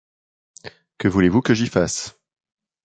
Que voulez-vous que j’y fasse ?